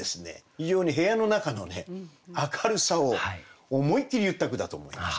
非常に部屋の中のね明るさを思いっきり言った句だと思いました。